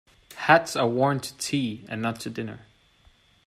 Hats are worn to tea and not to dinner.